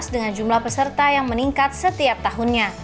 dengan jumlah peserta yang meningkat setiap tahunnya